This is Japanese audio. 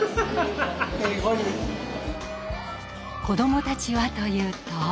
子どもたちはというと。